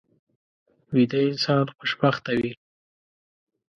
ویده انسان خوشبخته وي